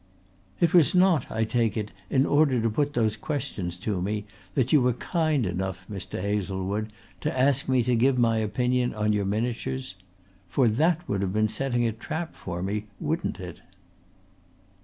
"It was not, I take it, in order to put those questions to me that you were kind enough, Mr. Hazlewood, to ask me to give my opinion on your miniatures. For that would have been setting a trap for me, wouldn't it?"